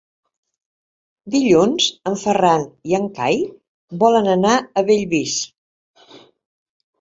Dilluns en Ferran i en Cai volen anar a Bellvís.